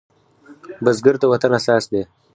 بزګر د وطن اساس دی